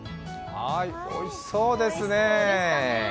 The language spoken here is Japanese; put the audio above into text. おいしそうですね。